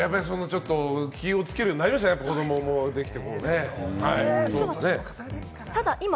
気をつけるようになりましたね、子どももできて。